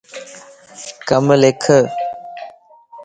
ڪم لک